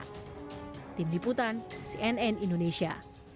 tim diputan cnn indonesia